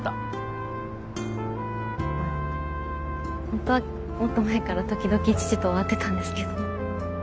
本当はもっと前から時々父とは会ってたんですけど。